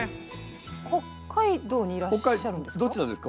北海道にいらっしゃるんですか？